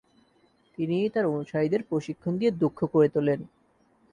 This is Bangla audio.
তিনি তার অনুসারীদের প্রশিক্ষণ দিয়ে দক্ষ করে তোলেন।